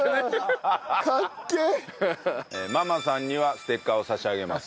ままさんにはステッカーを差し上げます。